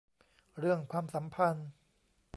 เรื่องความสัมพันธ์